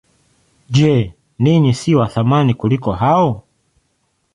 Je, ninyi si wa thamani kuliko hao?